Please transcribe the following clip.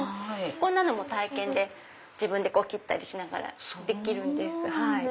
こんなのも体験で自分で切ったりしながらできるんです。